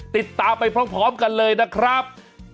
ติดตามไปพร้อมกันเลยนะครับ